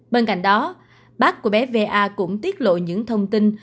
bên cạnh đó bác của bé va cũng tiết lộ những thông tin